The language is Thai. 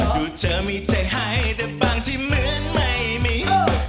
ดูเธอมีใจให้แต่บางที่เหมือนไม่มี